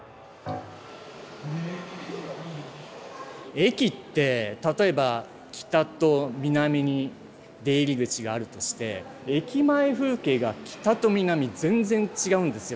駅って例えば北と南に出入り口があるとして駅前風景が北と南全然違うんですよ。